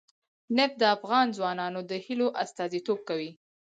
نفت د افغان ځوانانو د هیلو استازیتوب کوي.